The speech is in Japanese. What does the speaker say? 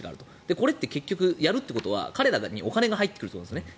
これって結局やるということは彼らにお金が入ってくるんですよね。